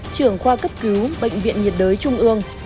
trưởng khoa cấp cứu bệnh viện nhiệt đới trung ương